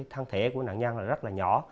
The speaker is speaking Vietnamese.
nên là thang thể của nạn nhân rất là nhỏ